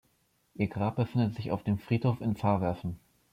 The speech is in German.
Ihr Grab befindet sich auf dem Friedhof in Pfarrwerfen.